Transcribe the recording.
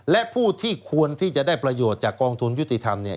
และผู้ที่ควรที่จะได้ประโยชน์จากกองทุนยุติธรรมเนี่ย